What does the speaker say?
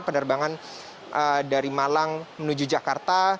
penerbangan dari malang menuju jakarta